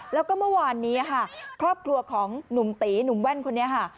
แล้วก็เมื่อวานนี้ค่ะครอบครัวของหนุ่มตีหนุ่มแว่นคนนี้ค่ะ